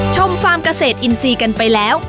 ฟาร์มเกษตรอินทรีย์กันไปแล้ว